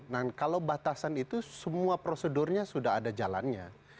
nah kalau batasan itu semua prosedurnya sudah ada jalannya